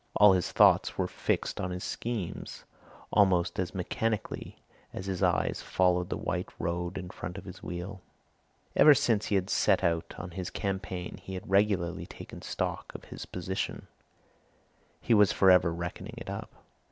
All his thoughts were fixed on his schemes, almost as mechanically as his eyes followed the white road in front of his wheel. Ever since he had set out on his campaign he had regularly taken stock of his position; he was for ever reckoning it up.